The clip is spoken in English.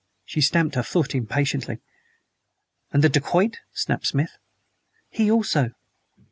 She stamped her foot impatiently. "And the dacoit?" snapped Smith. "He also."